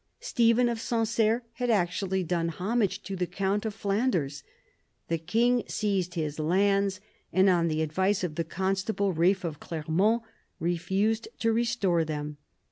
Stephen of Sancerre had actually done homage to the count of Flanders. The king seized his lands, and, on the advice of the constable, Ealph of Clermont, refused to restore them.